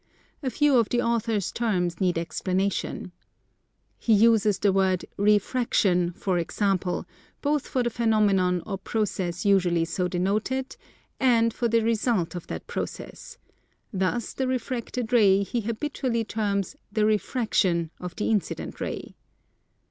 A few of the author's terms need explanation. He uses the word "refraction," for example, both for the phenomenon or process usually so denoted, and for the result of that process: thus the refracted ray he habitually terms "the refraction" of the incident ray.